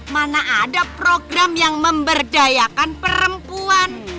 mana ada program yang memberdayakan perempuan